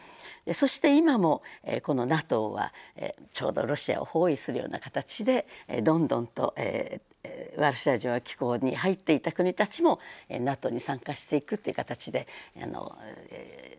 そして今もこのＮＡＴＯはちょうどロシアを包囲するような形でどんどんとワルシャワ条約機構に入っていた国たちもＮＡＴＯに参加していくという形で存在しています。